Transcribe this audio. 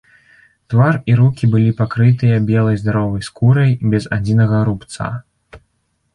Твар і рукі былі пакрытыя белай здаровай скурай, без адзінага рубца.